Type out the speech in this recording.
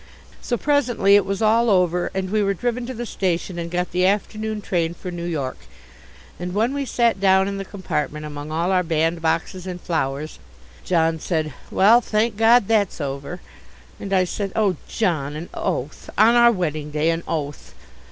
So presently it was all over and we were driven to the station and got the afternoon train for New York, and when we sat down in the compartment among all our bandboxes and flowers, John said, "Well, thank God, that's over." And I said, "Oh, John, an oath! on our wedding day, an oath!"